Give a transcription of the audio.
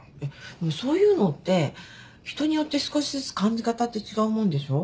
そういうのって人によって少しずつ感じ方って違うもんでしょ。